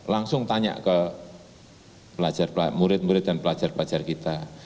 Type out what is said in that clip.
langsung tanya ke murid murid dan pelajar pelajar kita